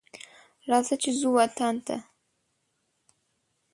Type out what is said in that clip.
راځه چې ځو وطن ته